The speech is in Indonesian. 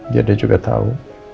biar dia juga tau